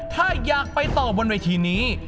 ถ้าอยากไปต่อบนเวทีนี้